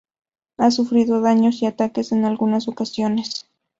Ha sufrido daños y ataques en algunas ocasiones.